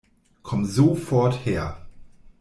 Komm sofort her!